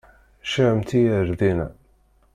Ceyyɛemt-iyi ar dina.